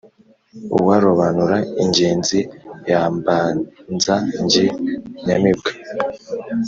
Uwarobanura ingenzi yambanza jye nyamibwa